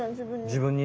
自分に。